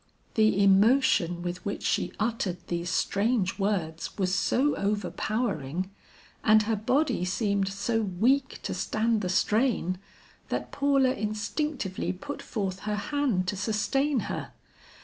The emotion with which she uttered these strange words was so overpowering, and her body seemed so weak to stand the strain, that Paula instinctively put forth her hand to sustain her.